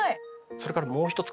それからもう一つ